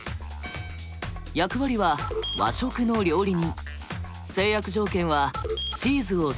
役割は「和食の料理人」。